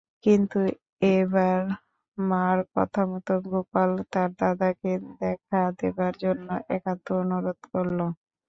কিন্তু এবার মার কথামত গোপাল তার দাদাকে দেখা দেবার জন্য একান্ত অনুরোধ করল।